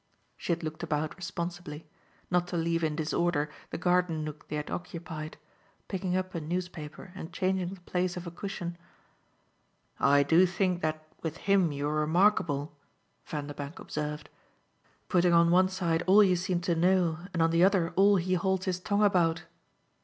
She had looked about responsibly not to leave in disorder the garden nook they had occupied; picking up a newspaper and changing the place of a cushion. "I do think that with him you're remarkable," Vanderbank observed "putting on one side all you seem to know and on the other all he holds his tongue about.